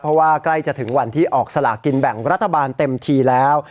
เพราะว่าใกล้จะถึงวันที่ออกสลากินแบ่งรัฐบาลเต็มทีแล้ว